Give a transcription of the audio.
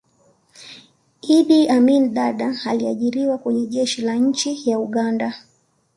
iddi amin dadaa aliajiriwa Kwenye jeshi la nchi ya uganda